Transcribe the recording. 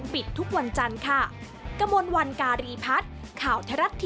ปิดทุกวันจันทร์ค่ะ